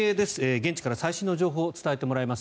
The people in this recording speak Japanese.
現地から最新の情報を伝えてもらいます。